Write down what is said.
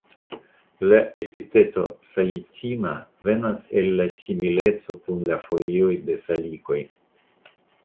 La epiteto "salicina" venas el la simileco kun la folioj de salikoj.